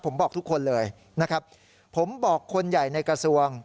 ผมบอกทุกคนเลยนะครับผมบอกคนใหญ่ในกระทรวง